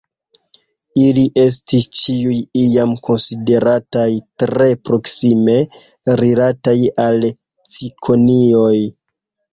Ili estis ĉiuj iam konsiderataj tre proksime rilataj al cikonioj.